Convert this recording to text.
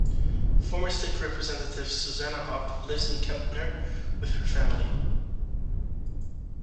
Former State Representative Suzanna Hupp lives in Kempner with her family.